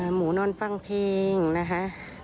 หนูนอนฟังเพลงนะคะ